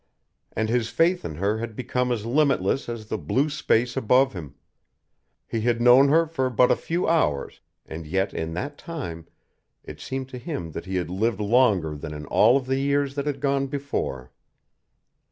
And his faith in her had become as limitless as the blue space above him. He had known her for but a few hours and yet in that time it seemed to him that he had lived longer than in all of the years that had gone before.